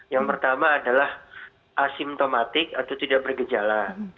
yang pertama adalah asimptomatik atau tidak bergejala